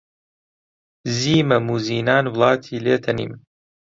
زیی مەم و زینان وڵاتی لێ تەنیم